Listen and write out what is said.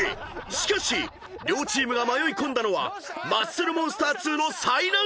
［しかし両チームが迷い込んだのはマッスルモンスター２の最難関エリア］